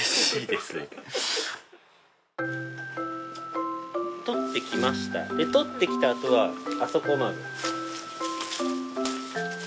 で採ってきたあとはあそこまず。